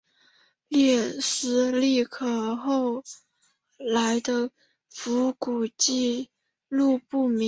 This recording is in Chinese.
列斯利后来的服役纪录不明。